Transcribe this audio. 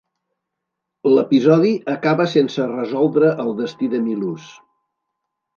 L'episodi acaba sense resoldre el destí de Milhouse.